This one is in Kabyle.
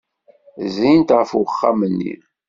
Zrint ɣef uxxam-nni.